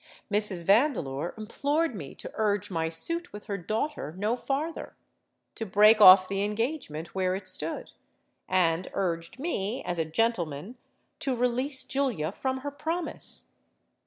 Mrs. Vandeleur implored me to urge my suit with her daughter no farther—to break off the engagement where it stood—and urged me, as a gentleman, to release Julia from her promise.